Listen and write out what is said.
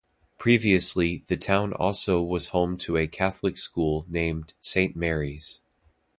Previously, the town also was home to a Catholic School named Saint Mary's.